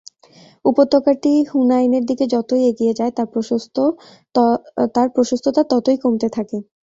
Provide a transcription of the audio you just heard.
উপত্যকাটি হুনাইনের দিকে যতই এগিয়ে যায় তার প্রশস্ত তা ততই কমতে থাকে।